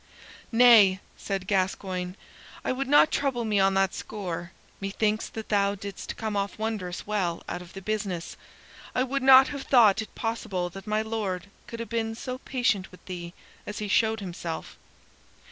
"Nay," said Gascoyne, "I would not trouble me on that score. Methinks that thou didst come off wondrous well out of the business. I would not have thought it possible that my Lord could ha' been so patient with thee as he showed himself.